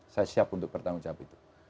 saya siap untuk bertanggung jawab itu